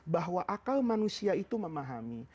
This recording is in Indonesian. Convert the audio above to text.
bahwa akal manusia itu memahami